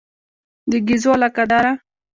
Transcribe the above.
د ګېزو علاقه داره.